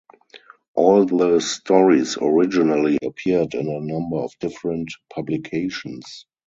All the stories originally appeared in a number of different publications.